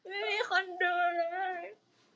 ไม่มีคนดูเลย